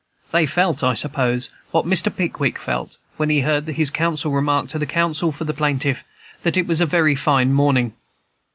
They felt, I suppose, what Mr. Pickwick felt, when he heard his counsel remark to the counsel for the plaintiff, that it was a very fine morning.